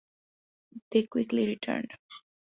They quickly returned.